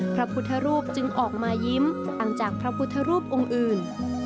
พระพุทธรูปจึงออกมายิ้มอังจากพระพุทธรูปองค์อื่น